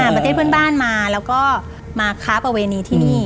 ประเทศเพื่อนบ้านมาแล้วก็มาค้าประเวณีที่นี่